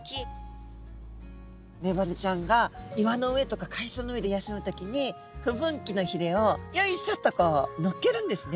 メバルちゃんが岩の上とか海藻の上で休む時に不分岐のひれをよいしょとこうのっけるんですね。